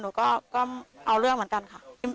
หนูก็เอาเรื่องเหมือนกันค่ะ